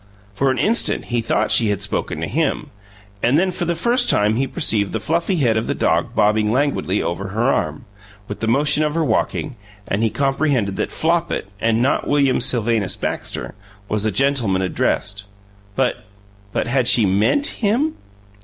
For an instant he thought she had spoken to him, and then for the first time he perceived the fluffy head of the dog bobbing languidly over her arm, with the motion of her walking, and he comprehended that Flopit, and not William Sylvanus Baxter, was the gentleman addressed. But but had she MEANT him?